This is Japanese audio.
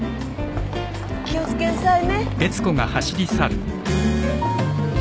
気を付けんさいね。